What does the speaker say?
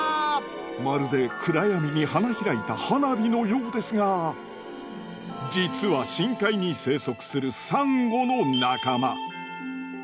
まるで暗闇に花開いた花火のようですが実は深海に生息するサンゴの仲間。